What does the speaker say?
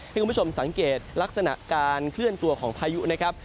ให้คุณผู้ชมสังเกตลักษณะการเคลื่อนตัวของพายุนะครับ